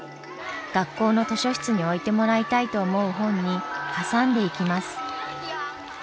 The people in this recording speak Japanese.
学校の図書室に置いてもらいたいと思う本に挟んでいきます。